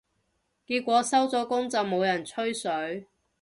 結果收咗工就冇人吹水